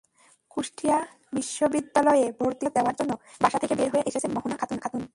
কুষ্টিয়া বিশ্ববিদ্যালয়ে ভর্তি পরীক্ষা দেওয়ার জন্য বাসা থেকে বের হয়ে এসেছেন মোহনা খাতুন।